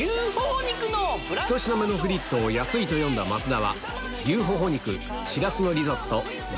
１品目のフリットを安いと読んだ増田